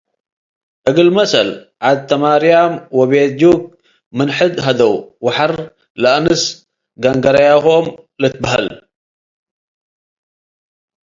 እግል መሰል ዐድ ትማርያም ወቤት-ጁክ ምን ሕድ ሀደው ወሐር ለአንስ ገንገረያሆም ልትበሀል ።